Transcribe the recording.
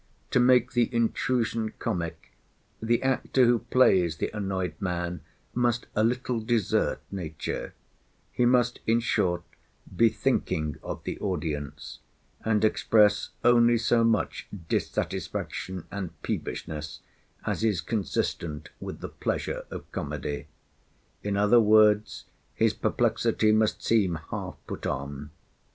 To make the intrusion comic, the actor who plays the annoyed man must a little desert nature; he must, in short, be thinking of the audience, and express only so much dissatisfaction and peevishness as is consistent with the pleasure of comedy. In other words, his perplexity must seem half put on.